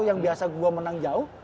yang biasa gue menang jauh